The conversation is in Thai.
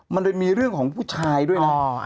มันเลยมีเรื่องของผู้ชายด้วยนะ